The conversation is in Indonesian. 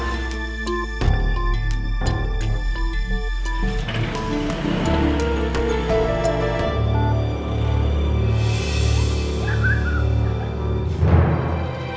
ohh ya farhsy